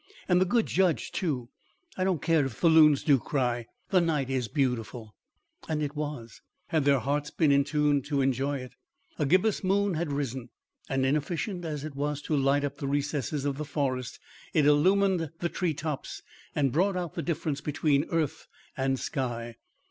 And the good judge, too. I don't care if the loons do cry; the night is beautiful." And it was, had their hearts been in tune to enjoy it. A gibbous moon had risen, and, inefficient as it was to light up the recesses of the forest, it illumined the tree tops and brought out the difference between earth and sky.